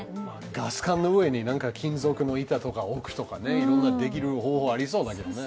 ガス管の上になんか金属の板を置くとかね、いろんなできる方法はありそうだけどね。